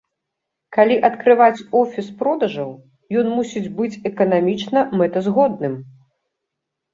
Калі адкрываць офіс продажаў, ён мусіць быць эканамічна мэтазгодным.